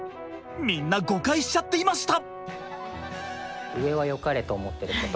みんな誤解しちゃっていました。